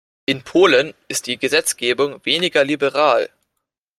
In Polen ist die Gesetzgebung weniger liberal.